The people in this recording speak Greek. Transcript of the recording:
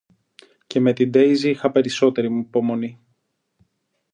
Και με τη Ντέιζη είχα περισσότερη υπομονή.